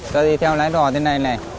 cho đi theo lái đò thế này này